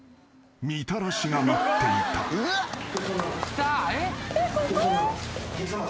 みたらしが待っていた］お客さま。